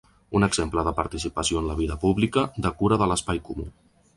Un exemple de participació en la vida pública, de cura de l'espai comú.